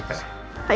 はい。